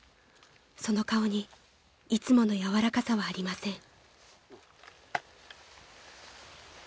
［その顔にいつもの柔らかさはありません］